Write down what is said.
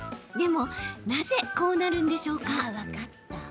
でも、なぜこうなるんでしょうか？